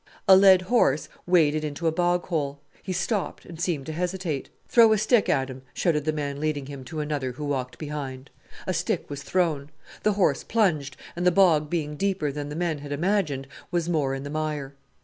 A led horse waded into a bog hole. He stopped, and seemed to hesitate. "Throw a stick at him," shouted the man leading him to another who walked behind. A stick was thrown. The horse plunged, and the bog being deeper than the men had imagined, was more in the mire.